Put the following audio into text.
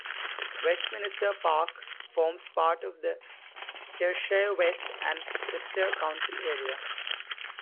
Westminster Park forms part of the Cheshire West and Chester council area.